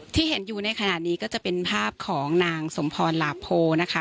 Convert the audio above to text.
ที่เห็นอยู่ในขณะนี้ก็จะเป็นภาพของนางสมพรหลาโพนะคะ